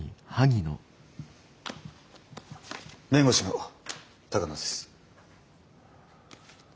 弁護士の鷹野です。